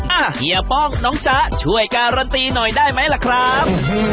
เฮียป้องน้องจ๊ะช่วยการันตีหน่อยได้ไหมล่ะครับ